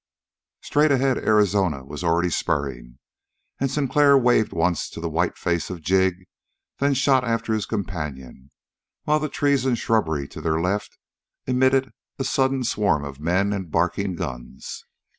Straight ahead Arizona was already spurring, and Sinclair waved once to the white face of Jig, then shot after his companion, while the trees and shrubbery to their left emitted a sudden swarm of men and barking guns.